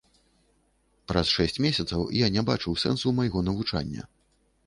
Праз шэсць месяцаў я не бачыў сэнсу майго навучання.